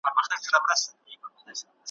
ملنګه ! محبت ګني بېخي دلته ناياب دی؟ ,